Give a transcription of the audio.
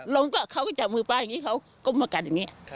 ล้มก็เขาก็จับมือพาอย่างงี้เขาก็มากระดิ้งอย่างงี้